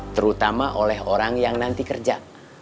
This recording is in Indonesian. terutama oleh orang yang nanti kerja